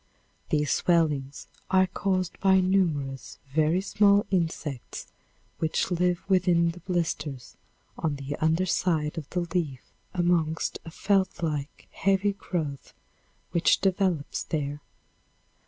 These swellings are caused by numerous, very small insects which live within the blisters on the under side of the leaf amongst a felt like, heavy growth which develops there.